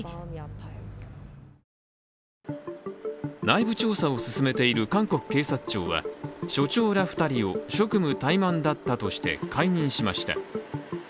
内部調査を進めている韓国警察庁は署長ら２人を職務怠慢だったとして解任しました。